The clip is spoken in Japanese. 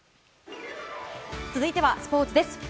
続いてはスポーツです。